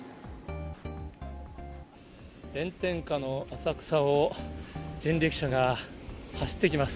炎天下の浅草を人力車が走っていきます。